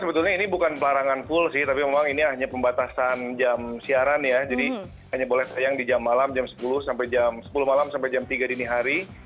sebetulnya ini bukan pelarangan full sih tapi memang ini hanya pembatasan jam siaran ya jadi hanya boleh tayang di jam malam jam sepuluh sampai jam sepuluh malam sampai jam tiga dini hari